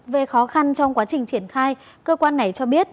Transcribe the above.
về khó khăn trong quá trình triển khai cơ quan này cho biết